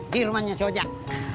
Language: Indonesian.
di rumahnya si ojak